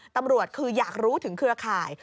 ตำรวจคืออยากรู้ถึงเครือข่าย